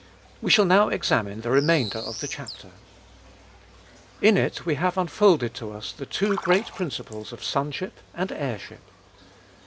We shall now examine the remainder of the chapter. In it we have unfolded to us the two great principles of sonship and heirship.